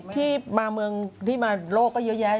ที่มาเมืองที่มาโลกก็เยอะแยะ